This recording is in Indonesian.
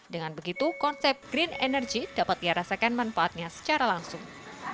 dengan begitu konsep green energy dapat dia rasakan manfaatnya secara langsung